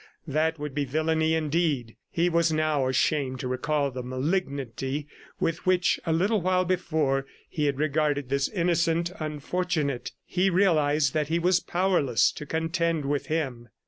That would be villainy, indeed! He was now ashamed to recall the malignity with which, a little while before, he had regarded this innocent unfortunate. He realized that he was powerless to contend with him.